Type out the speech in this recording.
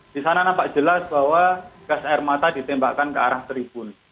di sana nampak jelas bahwa gas air mata ditembakkan ke arah tribun